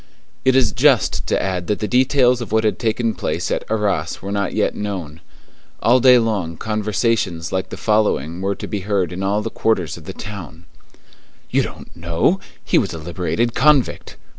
It is just to add that the details of what had taken place at Arras were not yet known. All day long conversations like the following were to be heard in all quarters of the town:— "You don't know? He was a liberated convict!"